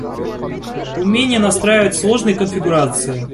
Умение настраивать сложные конфигурации